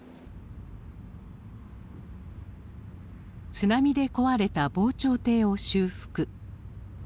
津波で壊れた防潮堤を修復。